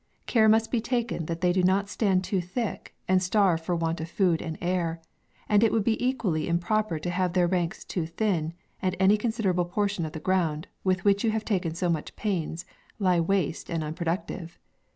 Care must be taken that they do not stand too thick, and starve for want of food and air ; and it would be equally im proper to have their ranks too thin, and any considerable portion of the ground, with which you have taken so much pains, lie waste and unproductive.